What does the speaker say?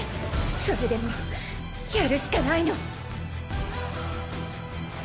それでもやるしかないの！